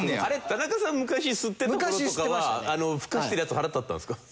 田中さん昔吸ってた頃とかはふかしてるヤツ腹立ったんですか？